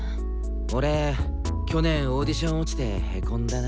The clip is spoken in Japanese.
俺去年オーディション落ちてへこんだなぁ。